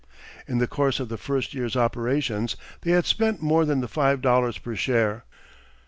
In the course of the first year's operations they had spent more than the five dollars per share.